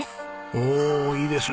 おおいいですね。